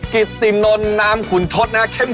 กิสตินวนนามขุนทศนะครับ